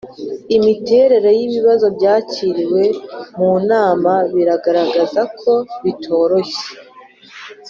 imiterere y ibibazo byakiriwe mu nama biragarara ko bitoroshye